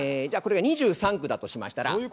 じゃあこれが２３区だとしましたら。